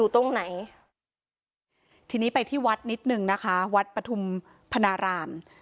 ชาวบ้านก็เป็นวัดนิดนึงนะคะวัดประธุมภนาราม